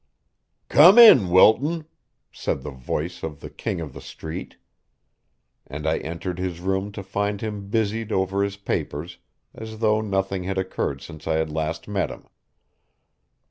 "Come in, Wilton," said the voice of the King of the Street; and I entered his room to find him busied over his papers, as though nothing had occurred since I had last met him.